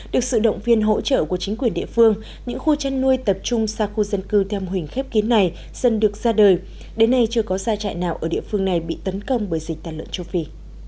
được sự động viên hỗ trợ của chính quyền địa phương những khu chăn nuôi tập trung xa khu dân cư theo mô hình khép kín này dần được ra đời đến nay chưa có gia trại nào ở địa phương này bị tấn công bởi dịch tàn lợn châu phi